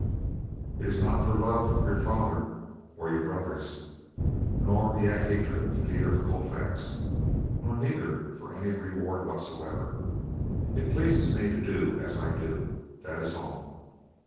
"It is not for love of your father or your brothers, nor yet hatred of Peter of Colfax, nor neither for any reward whatsoever. It pleases me to do as I do, that is all.